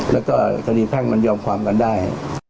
แล้วก็คดีแพ่งมันยอมความกันได้